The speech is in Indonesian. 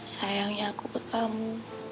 sayangnya aku ke kamu